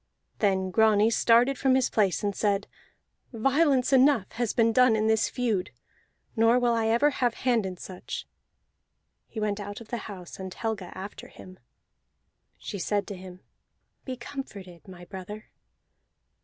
Then Grani started from his place, and said: "Violence enough has been done in this feud, nor will I ever have hand in such." He went out of the house, and Helga after him. She said to him: "Be comforted, my brother."